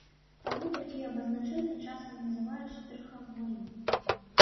Таму такія абазначэнні часам называюць штрыхавымі.